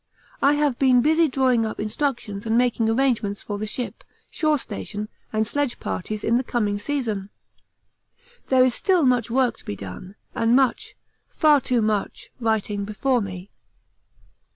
I have been busy drawing up instructions and making arrangements for the ship, shore station, and sledge parties in the coming season. There is still much work to be done and much, far too much, writing before me.